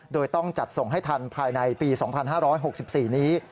โดยต้องจัดส่งให้ทันภายในปี๒๕๖๔นี้